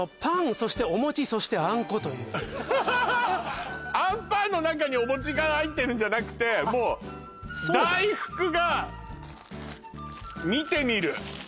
そしておもちそしてあんこというあんぱんの中におもちが入ってるんじゃなくてもう大福が見てみる